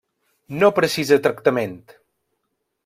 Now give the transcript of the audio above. No precisa tractament.